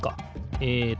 えっと